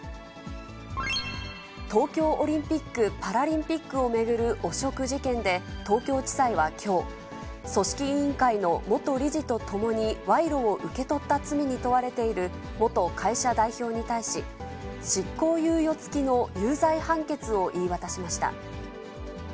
東京オリンピック・パラリンピックを巡る汚職事件で、東京地裁はきょう、組織委員会の元理事と共に賄賂を受け取った罪に問われている元会社代表に対し、執行猶予付きの有罪判決を言い渡しました。